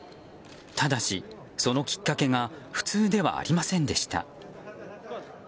ただし、そのきっかけが普通ではありませんでした。